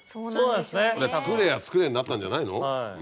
で作れや作れになったんじゃないの？